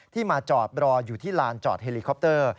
มาจอดรออยู่ที่ลานจอดเฮลิคอปเตอร์